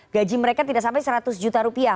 gaji mereka tidak sampai seratus juta rupiah